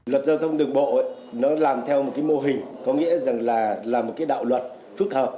luật giao thông đường bộ làm theo một mô hình có nghĩa là là một đạo luật phức hợp